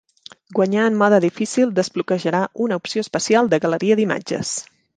Guanyar en mode difícil desbloquejarà una opció especial de "Galeria d'imatges".